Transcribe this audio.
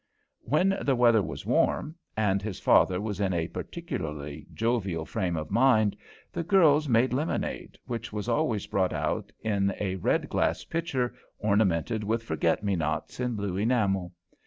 When the weather was warm, and his father was in a particularly jovial frame of mind, the girls made lemonade, which was always brought out in a red glass pitcher, ornamented with forget me nots in blue enamel.